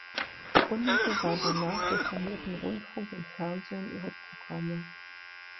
Unmittelbar danach reformierten Rundfunk und Fernsehen ihre Programme.